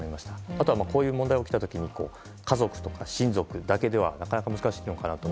あとはこういう問題が起きた時に家族とか親族だけではなかなか難しいのかなと。